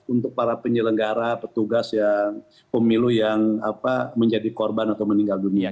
untuk para penyelenggara petugas yang pemilu yang menjadi korban atau meninggal dunia